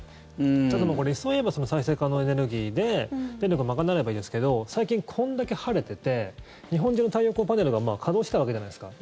ただ、これ理想を言えば再生可能エネルギーで電力を賄えればいいですけど最近、こんだけ晴れてて日本中の太陽光パネルが稼働してたわけじゃないですか。